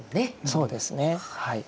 そうですねはい。